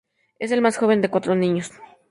Es el más joven de cuatro niños.